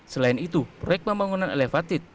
selain itu proyek pembangunan elevated